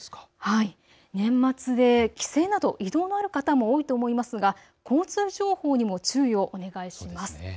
年末で帰省など移動のある方も多いと思いますが、交通情報にも注意をお願いします。